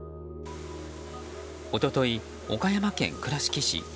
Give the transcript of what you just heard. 一昨日、岡山県倉敷市。